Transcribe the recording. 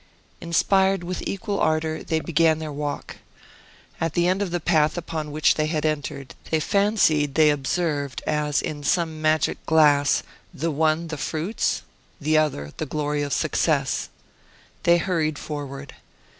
Inspired with equal ardor they began their walk. At the end of the path upon which they had entered they fancied they observed, as in some magic glass, the one the fruits, the other the glory of success. They hurried forward.